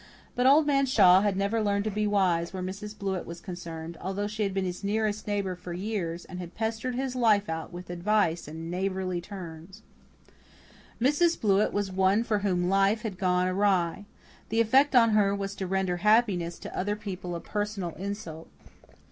But Old Man Shaw had never learned to be wise where Mrs. Blewett was concerned, although she had been his nearest neighbour for years, and had pestered his life out with advice and "neighbourly turns." Mrs. Blewett was one with whom life had gone awry. The effect on her was to render happiness to other people a personal insult.